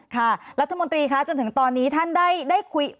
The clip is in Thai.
ค่ะรัฐมนตรีคะจนถึงตอนนี้ท่านได้คุย